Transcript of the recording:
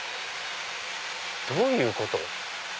どういうこと？